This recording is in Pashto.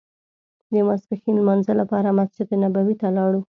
د ماسپښین لمانځه لپاره مسجد نبوي ته لاړو.